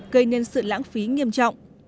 được lãng phí nghiêm trọng